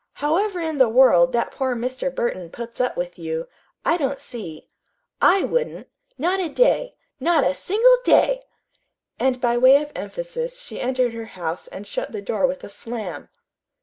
However in the world that poor Mr. Burton puts up with you, I don't see. I wouldn't not a day not a single day!" And by way of emphasis she entered her house and shut the door with a slam.